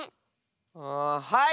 あはい！